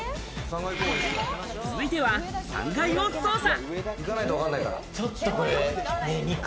続いては３階を捜査。